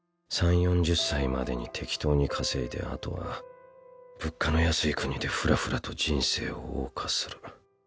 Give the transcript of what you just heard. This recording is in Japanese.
３０４０歳までに適当に稼いであとは物価の安い国でフラフラと人生を謳歌する。